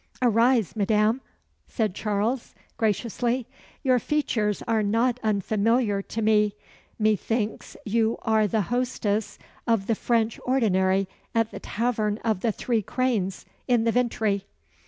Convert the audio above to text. "Arise, Madame," said Charles, graciously. "Your features are not unfamiliar to me. Methinks you are the hostess of the French ordinary at the tavern of the Three Cranes, in the Vintry."